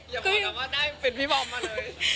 อย่าบอกนะว่าได้เป็นพี่บอมมาเลย